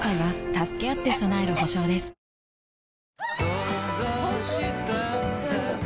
想像したんだ